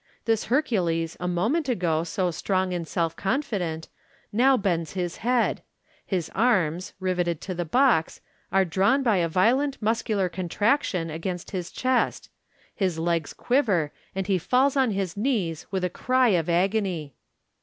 this Hercules, a moment ago so strong and self confident, now bends his head ; his arms, riveted to the box, are drawn by a violent nuscular contraction against his chest j his legs quiver, and he falls on his knees with a cry of agony.